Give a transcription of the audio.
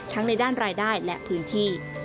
ในด้านรายได้และพื้นที่